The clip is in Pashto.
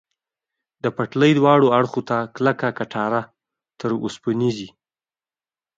د پټلۍ دواړو اړخو ته کلکه کټاره، تر اوسپنیزې.